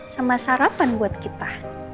sama sarapan buat kita